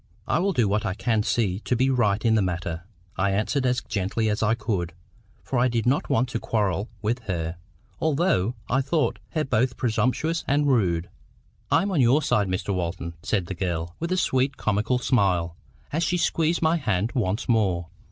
"I will do what I can see to be right in the matter," I answered as gently as I could; for I did not want to quarrel with her, although I thought her both presumptuous and rude. "I'm on your side, Mr Walton," said the girl, with a sweet comical smile, as she squeezed my hand once more.